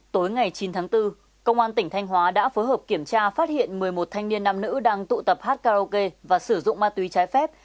tối ngày chín tháng bốn công an tỉnh thanh hóa đã phối hợp kiểm tra phát hiện một mươi một thanh niên nam nữ đang tụ tập hát karaoke và sử dụng ma túy trái phép